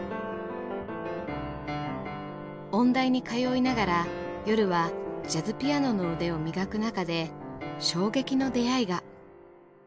音大に通いながら夜はジャズピアノの腕を磨く中で衝撃の出会いが。